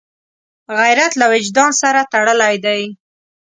غیرت له وجدان سره تړلی دی